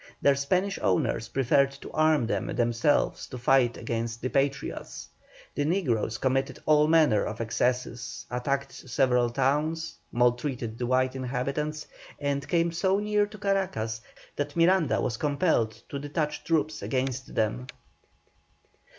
Their Spanish owners preferred to arm them themselves to fight against the Patriots. The negroes committed all manner of excesses, attacked several towns, maltreated the white inhabitants, and came so near to Caracas that Miranda was compelled to detach troops against them.